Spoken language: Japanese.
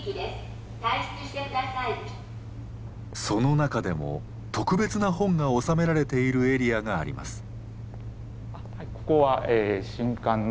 その中でも特別な本が収められているエリアがあります。